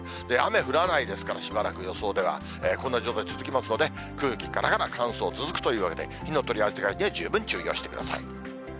雨降らないですから、しばらく、予想では。こんな状態続きますので、空気からから、乾燥続くというわけで、火の取り扱いには十分注意をしてください。